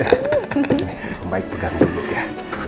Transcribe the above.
sini om baik pegang dulu ya